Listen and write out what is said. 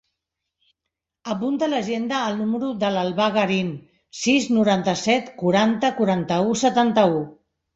Apunta a l'agenda el número de l'Albà Garin: sis, noranta-set, quaranta, quaranta-u, setanta-u.